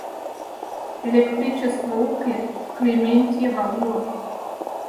Электричество уке, Клементьева уло!